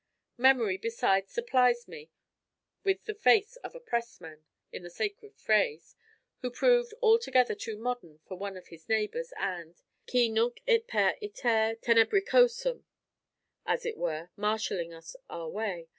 Memory besides supplies me with the face of a pressman (in the sacred phrase) who proved altogether too modern for one of his neighbours, and Qui nunc it per iter tenebricosum as it were, marshalling us our way.